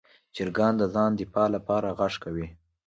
چرګان د ځان دفاع لپاره غږ کوي.